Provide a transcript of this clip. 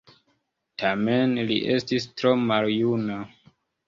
Tamen li estis tro maljuna.